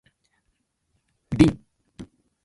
林